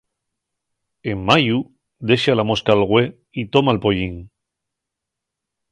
En mayu, dexa la mosca al güe y toma’l pollín.